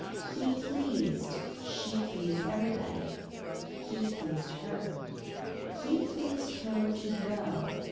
He pleased she pleased everybody. He pleased her. He pleased her to go.